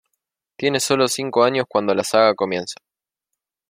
Tiene sólo cinco años cuando la saga comienza.